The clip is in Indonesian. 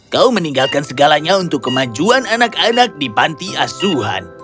kau meninggalkan segalanya untuk kemajuan anak anak di panti asuhan